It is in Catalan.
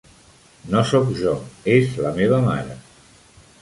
No sóc jo, és la meva mare.